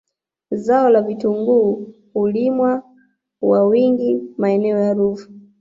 Zao la vitungui hulimwa wa wingi maeneo ya Ruvu